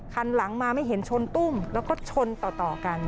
คันหลังมาไม่เห็นชนตุ้มแล้วก็ชนต่อกัน